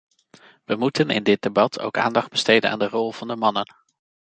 We moeten in dit debat ook aandacht besteden aan de rol van de mannen.